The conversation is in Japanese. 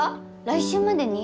来週までに？